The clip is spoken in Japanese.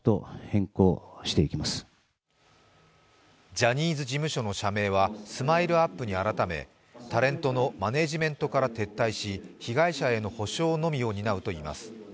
ジャニーズ事務所の社名はＳＭＩＬＥ−ＵＰ．に改めタレントのマネジメントから撤退し被害者への補償のみを担うといいます。